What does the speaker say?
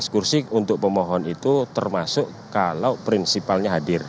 tujuh belas kursi untuk pemohon itu termasuk kalau prinsipalnya hadir